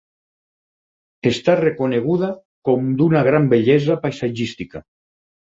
Està reconeguda com d'una gran bellesa paisatgística.